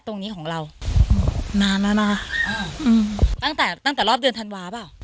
ตรงนี้ของเรานานแล้วนะอ้าวอืมตั้งแต่ตั้งแต่รอบเดือนธันวาเปล่า